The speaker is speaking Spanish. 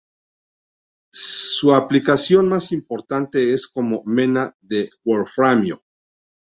Su aplicación más importante es como mena de wolframio.